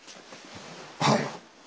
はい。